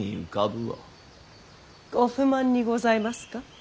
ご不満にございますか。